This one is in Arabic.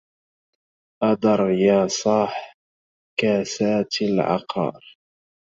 أدر يا صاح كاسات العقار